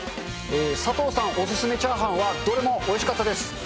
佐藤さんお勧めチャーハンはどれもおいしかったです。